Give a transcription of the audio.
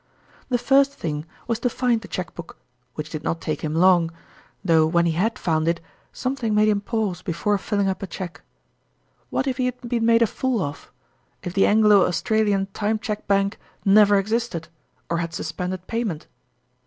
The first thing was to find the cheque book, which did not take him long ; though when he had found it, something made him pause be fore filling up a cheque. What if he had been made a fool of if the Anglo Australian Time Cheque Bank never existed, or had sus pended payment